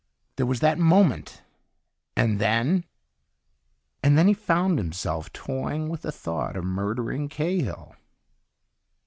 There was that moment, and then And then he found himself toying with the thought of murdering Cahill.